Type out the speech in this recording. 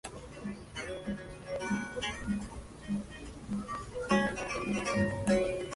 En total, treinta mil soldados y cincuenta mil civiles abandonaron Odesa.